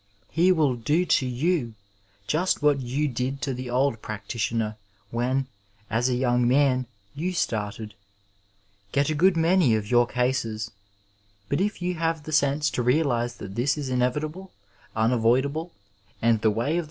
He will do to you just what you did to the old practitioner, when, as a young man, you started— get a good many of your cases ; but if you have the sense to realize that this is inevitable, unavoid able, and the way of